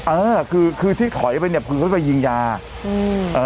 เออคือคือที่ถอยไปเนี้ยคือเขาจะยิงยาอืมเอ่อ